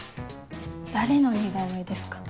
誰の似顔絵ですか？